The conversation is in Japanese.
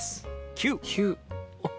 ９。